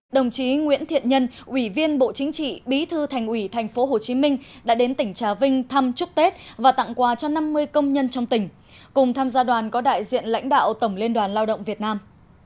đồng chí nguyễn thiện nhân ủy viên bộ chính trị bí thư thành ủy tp hcm đã đến tỉnh trà vinh thăm chúc tết và tặng quà cho năm mươi công nhân trong tỉnh cùng tham gia đoàn có đại diện lãnh đạo tổng liên đoàn lao động việt nam